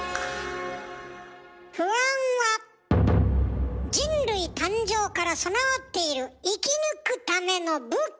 不安は人類誕生から備わっている生き抜くための武器。